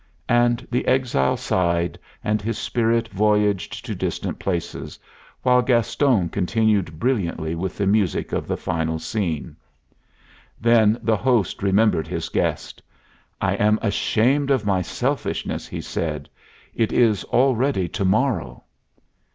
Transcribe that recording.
And the exile sighed and his spirit voyaged to distant places, while Gaston continued brilliantly with the music of the final scene. Then the host remembered his guest. "I am ashamed of my selfishness," he said. "It is already to morrow."